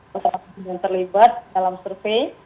masyarakat yang terlibat dalam survei